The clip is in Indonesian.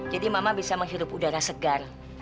jadi mama bisa menghirup udara segar